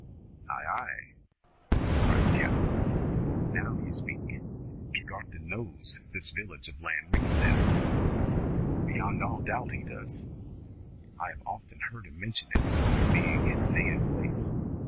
"Ay, ay!" cried the captain. "Now you speak! Tregarthen knows this village of Lanrean, then?" "Beyond all doubt he does. I have often heard him mention it, as being his native place.